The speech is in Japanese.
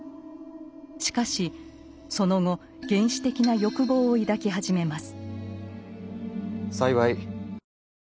しかしその後原始的な欲望を抱き始めます。